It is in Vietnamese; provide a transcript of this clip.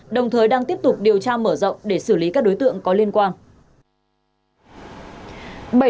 đồng thời đang tiếp tục điều tra mở rộng để xử lý các đối tượng có liên quan